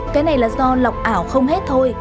cái này là do lọc ảo không hết thôi